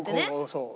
そう。